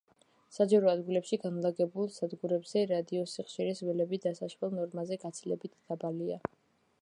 საჯარო ადგილებში განლაგებულ სადგურებზე რადიოსიხშირის ველები დასაშვებ ნორმაზე გაცილებით დაბალია.